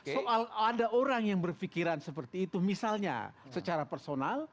soal ada orang yang berpikiran seperti itu misalnya secara personal